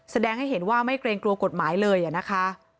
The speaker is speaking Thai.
แสดงให้เห็นว่าไม่เกรงกลัวกฎหมายเลยนะคะ